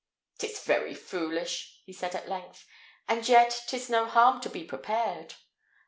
"'Tis very foolish!" said he, at length; "and yet 'tis no harm to be prepared.